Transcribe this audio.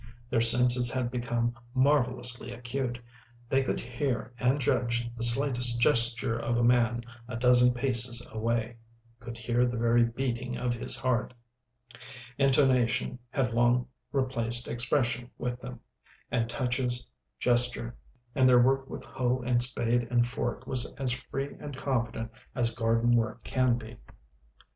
Their senses had become marvellously acute; they could hear and judge the slightest gesture of a man a dozen paces away—could hear the very beating of his heart. Intonation had long replaced expression with them, and touches gesture, and their work with hoe and spade and fork was as free and confident as garden work can be.